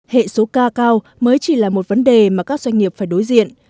hệ số ca cao mới chỉ là một vấn đề mà các doanh nghiệp phải đối diện